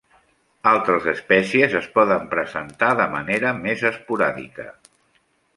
Altres espècies es poden presentar de manera més esporàdica.